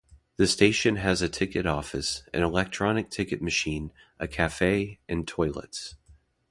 The station has a ticket office, an electronic ticket machine, a cafe and toilets.